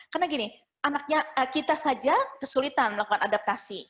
karena gini anaknya kita saja kesulitan melakukan adaptasi